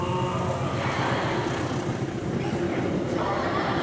伝わらんかったな。